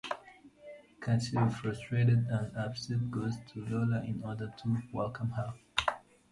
Conchita, frustrated and upset, goes to Lola in order to "welcome" her.